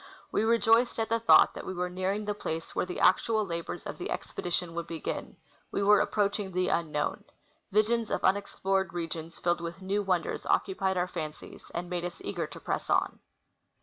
We rejoiced at the thought that we were nearing the place where the actual labors of the expedi tion would begin ; we were approaching the unknown;' visions of unexplored regions filled with new wonders occupied our fancies, and made us eager to press on.